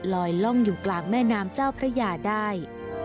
ล่องอยู่กลางแม่น้ำเจ้าพระยาได้